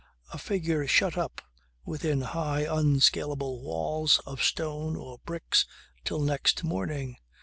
A figure shut up within high unscaleable walls of stone or bricks till next morning